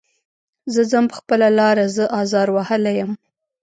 زه ځم په خپله لاره زه ازار وهلی یم.